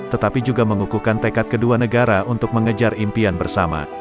tetapi juga mengukuhkan tekad kedua negara untuk mengejar impian bersama